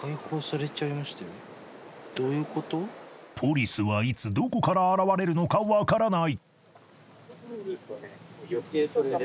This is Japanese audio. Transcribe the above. ［ポリスはいつどこから現れるのか分からない］